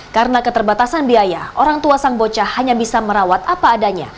karena keterbatasan biaya orang tua sang bocah hanya bisa merawat apa adanya